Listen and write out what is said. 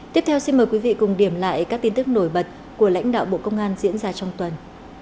tiếp theo xin mời quý vị cùng điểm lại các tin tức nổi bật của lãnh đạo bộ công an diễn ra trong tuần